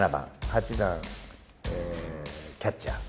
８番キャッチャー。